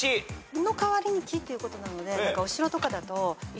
代わりに木ということなので。